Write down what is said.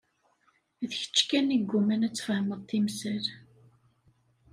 D kečč kan i yegguman ad tfehmeḍ timsal.